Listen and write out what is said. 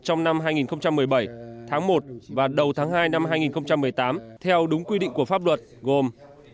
trong năm hai nghìn một mươi bảy tháng một và đầu tháng hai năm hai nghìn một mươi tám theo đúng quy định của pháp luật gồm